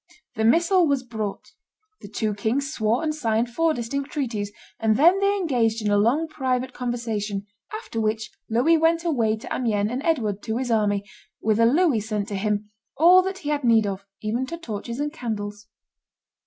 The missal was brought; the two kings swore and signed four distinct treaties; and then they engaged in a long private conversation, after which Louis went away to Amiens and Edward to his army, whither Louis sent to him "all that he had need of, even to torches and candles."